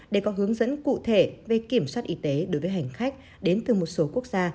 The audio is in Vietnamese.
để có hướng dẫn cụ thể về kiểm soát y tế đối với hành khách đến từ một số quốc gia